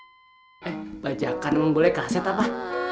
eh bajakan boleh kaset apa